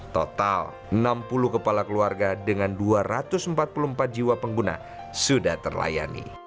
total enam puluh kepala keluarga dengan dua ratus empat puluh empat jiwa pengguna sudah terlayani